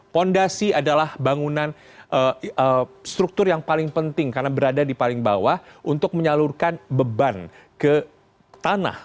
fondasi adalah bangunan struktur yang paling penting karena berada di paling bawah untuk menyalurkan beban ke tanah